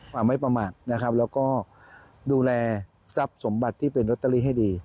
ความไม่ประมาทนะครับแล้วก็ดูแลทรัพย์สมบัติที่เป็นโรตเตอรี่ให้ดี